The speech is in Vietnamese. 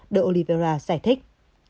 de oliveira giải thích